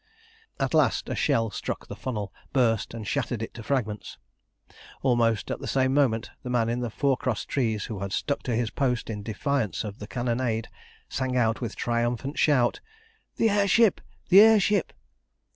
At last a shell struck the funnel, burst, and shattered it to fragments. Almost at the same moment the man in the fore cross trees, who had stuck to his post in defiance of the cannonade, sang out with a triumphant shout "The air ship! The air ship!"